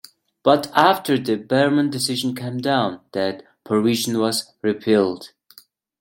But after the "Berman" decision came down, that provision was repealed.